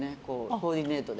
コーディネートで。